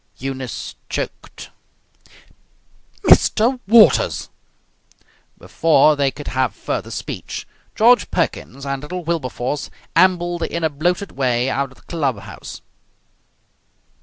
Eunice choked. "Mr. Waters!" Before they could have further speech George Perkins and little Wilberforce ambled in a bloated way out of the clubhouse.